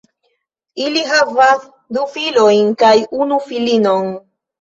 Ili havas du filojn kaj unu filinon.